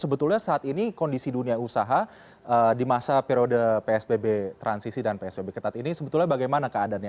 sebetulnya saat ini kondisi dunia usaha di masa periode psbb transisi dan psbb ketat ini sebetulnya bagaimana keadaannya